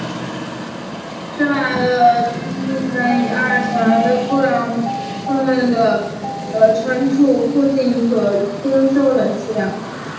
雪巴的底层及二层为仓库负责存储附近所征收的粮食。